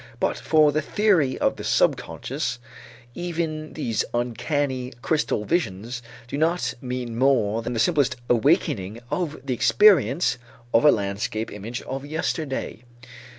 But for the theory of the subconscious, even these uncanny crystal visions do not mean more than the simplest awakening of the experience of a landscape image of yesterday.